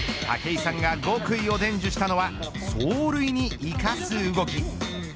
武井さんが極意を伝授したのは走塁に生かす動き。